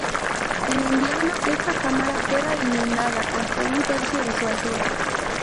En invierno esta cámara queda inundada hasta un tercio de su altura.